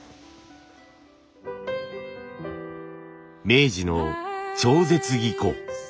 明治の超絶技巧。